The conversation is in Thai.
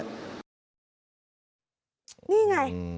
นี่ไง